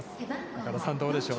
岡田さん、どうでしょう。